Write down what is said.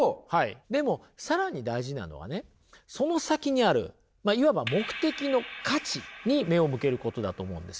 でも更に大事なのはねその先にあるいわば目的の価値に目を向けることだと思うんですよ。